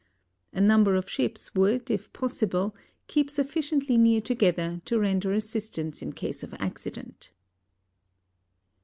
A number of ships would if possible keep sufficiently near together to render assistance in case of accident.